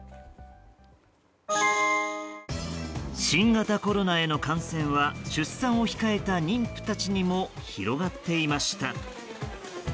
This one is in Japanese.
新型コロナへの感染は出産を控えた妊婦たちにも広がっていました。